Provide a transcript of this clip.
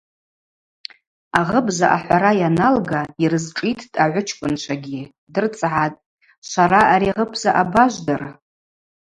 Агъыбза ахӏвара йаналга йрызшӏиттӏ агӏвычкӏвынчвагьи, дырцӏгӏатӏ: Швара ари агъыбза абажвдыр?